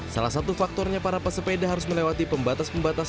salah satu faktornya para pesepeda harus melewati pembatas pembatas